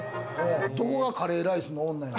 どこがカレーライスの女や。